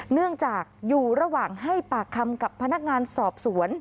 เนื่องจากอยู่ระหว่างให้ปากคำกับพนักงานสอบสวน